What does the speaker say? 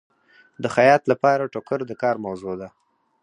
د خیاط لپاره ټوکر د کار موضوع ده.